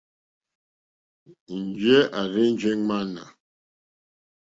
Njɛ̂ à rzênjé ŋmánà.